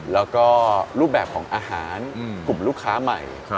แล้วก็รูปแบบของอาหารกลุ่มลูกค้าใหม่